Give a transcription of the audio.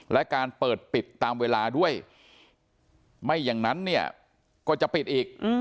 และการเปิดปิดตามเวลาด้วยไม่อย่างนั้นเนี่ยก็จะปิดอีก